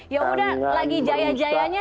ya udah lagi jaya jayanya